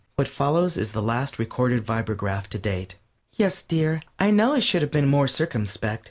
What follows is the last recorded vibragraph to date._) Yes, dear, I know I should have been more circumspect.